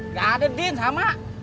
gak ada din sama